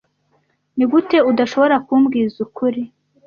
Nigute udashobora kumbwiza ukuri